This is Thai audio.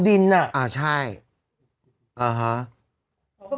มีนกเฟ็นกวิ้นให้ดูด้วย